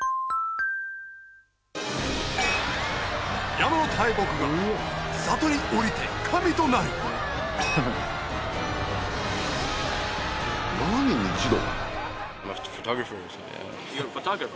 山の大木が里に下りて神となる７年に１度。